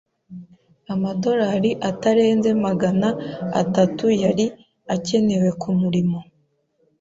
Amadolari atarenze magana atatu yari akenewe kumurimo.